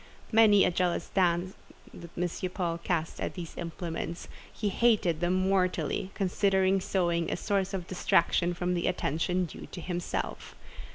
Many a jealous glance did M. Paul cast at these implements; he hated them mortally, considering sewing a source of distraction from the attention due to himself.